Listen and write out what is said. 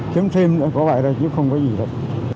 kiếm thêm là có phải rồi chứ không có gì đâu